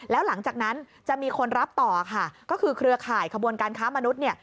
แล้วหลังจากนั้นจะมีคนรับต่อค่ะก็คือเครือข่ายขบวนการค้ามนุษย์เนี่ย